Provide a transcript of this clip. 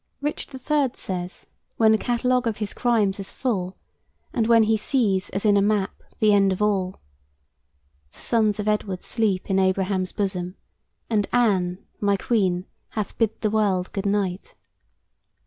Richard III. says, when the catalogue of his crimes is full, and when he "sees as in a map the end of all": "The sons of Edward sleep in Abraham's bosom, And Anne, my queen, hath bid the world good night."